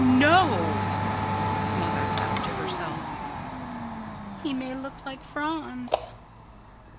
No! Mother: [Half to herself.] He may look like Franz.